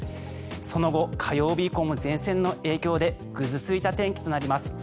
その後、火曜日以降も前線の影響でぐずついた天気となります。